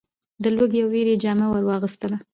د لوږې او وېري جامه ور واغوستله .